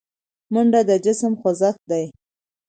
منډه د جسم خوځښت دی